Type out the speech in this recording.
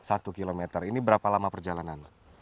satu kilometer ini berapa lama perjalanan